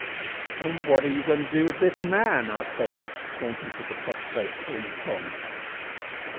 "And what are you going to do with this man?" asked Betty, pointing to the prostrate form of Tom.